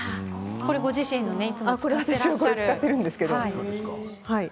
ご自身でいつも使っていらっしゃるものですね。